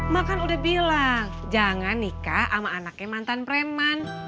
makan udah bilang jangan nikah sama anaknya mantan preman